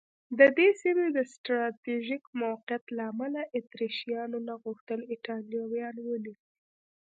د دې سیمې د سټراټېژیک موقعیت له امله اتریشیانو نه غوښتل ایټالویان ونیسي.